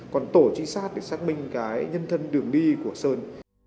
còn tổ trinh sát để xác minh cái nhân thân đường đi của sơn